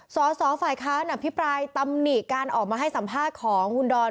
สอสอฝ่ายค้านอภิปรายตำหนิการออกมาให้สัมภาษณ์ของคุณดอน